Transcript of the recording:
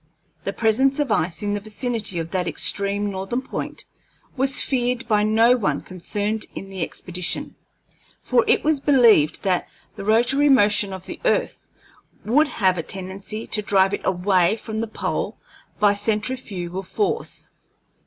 The presence of ice in the vicinity of that extreme northern point was feared by no one concerned in the expedition, for it was believed that the rotary motion of the earth would have a tendency to drive it away from the pole by centrifugal force.